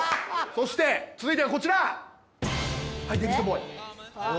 そして続いてはこちら。